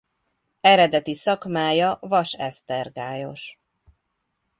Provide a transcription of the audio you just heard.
Eredeti szakmája vasesztergályos.